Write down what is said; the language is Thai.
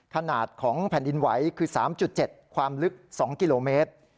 ขนาดของแผ่นดินไหวคือ๓๗ความลึก๒กิโลเมตร